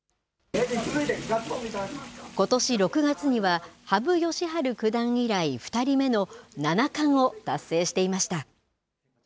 ことし６月には羽生善治九段以来２人目の七冠を達成していました。